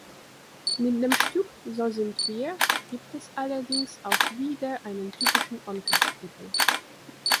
Mit dem Stück „So sind wir“ gibt es allerdings auch wieder einen typischen Onkelz-Titel.